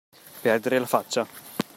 Perdere la faccia.